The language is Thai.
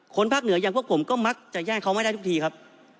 ภาคเหนืออย่างพวกผมก็มักจะแย่งเขาไม่ได้ทุกทีครับ